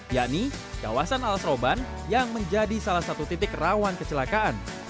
yakni kawasan alas roban yang menjadi salah satu titik rawan kecelakaan